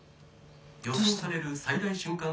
「予想される最大瞬間